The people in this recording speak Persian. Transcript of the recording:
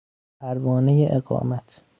پروانهی اقامت